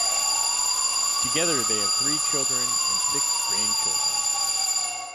Together they have three children and six grandchildren.